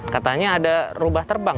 katanya ada rubah terbang